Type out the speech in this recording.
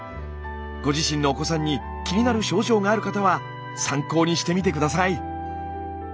ご自身のお子さんに気になる症状がある方は参考にしてみて下さい。